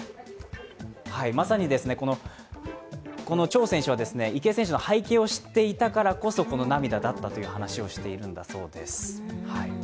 まさにこの張選手は池江選手の背景を知っていたからこそ、この涙だったという話をしているんだそうです